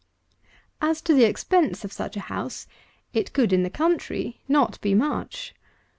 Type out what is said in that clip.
251. As to the expense of such a house, it could, in the country, not be much.